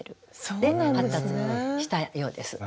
で発達したようです。